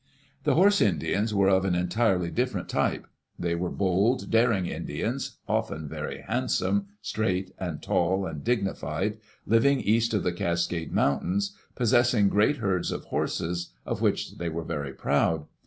The horse Indians were of an entirely different type. They were bold, daring Indians, often very handsome, straight and tall and dignified, living east of the Cascade mountains, possessing great herds of horses of which they were very proud.